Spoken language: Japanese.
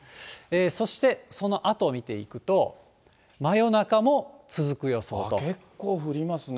そしてそのあと見ていくと、結構降りますね。